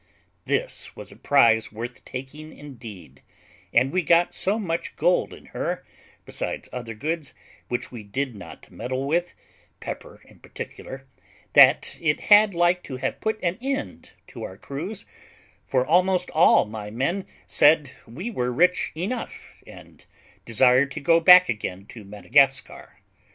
This was a prize worth taking indeed; and we got so much gold in her, besides other goods which we did not meddle with pepper in particular that it had like to have put an end to our cruise; for almost all my men said we were rich enough, and desired to go back again to Madagascar.